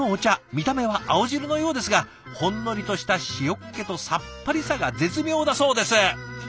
見た目は青汁のようですがほんのりとした塩っ気とさっぱりさが絶妙だそうです！